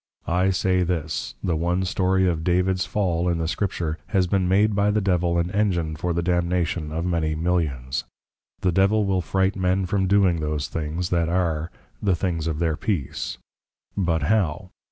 _ I say this, The one story of Davids Fall, in the Scripture, has been made by the Devil an Engine for the Damnation of many Millions. The Devil will fright men from doing those things, that are, the Things of their Peace; but How?